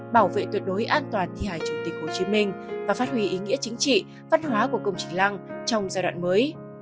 bảo vệ tuyệt đối an toàn thi hài chủ tịch hồ chí minh và phát huy ý nghĩa chính trị văn hóa của công trình lăng trong giai đoạn mới